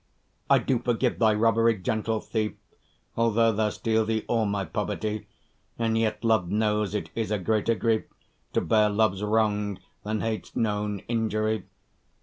I do forgive thy robbery, gentle thief, Although thou steal thee all my poverty: And yet, love knows it is a greater grief To bear love's wrong, than hate's known injury.